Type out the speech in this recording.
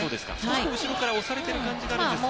後ろから押されている感じがあるんですが。